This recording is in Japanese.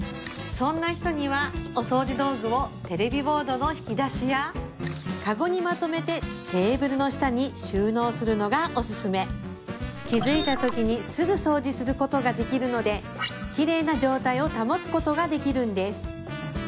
そんな人にはお掃除道具をテレビボードの引き出しやかごにまとめてテーブルの下に収納するのがおすすめ気づいたときにすぐ掃除することができるのできれいな状態を保つことができるんです